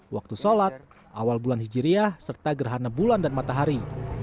waktu sholat awal bulan hijriah serta gerhana bulan dan matahari